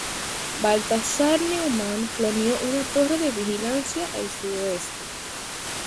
Balthasar Neumann planeó una torre de vigilancia al sudoeste.